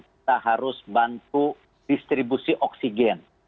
kita harus bantu distribusi oksigen